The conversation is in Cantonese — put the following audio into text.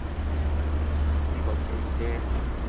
呢個姐姐